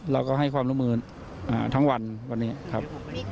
เราก็ให้ความร่วมมือทั้งวันวันนี้ครับ